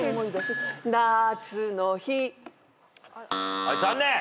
はい残念。